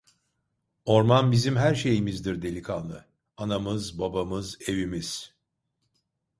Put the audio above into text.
Orman bizim her şeyimizdir delikanlı, anamız, babamız, evimiz…